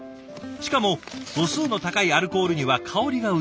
しかも度数の高いアルコールには香りが移りやすい。